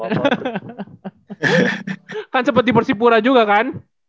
kan seperti persipura juga kan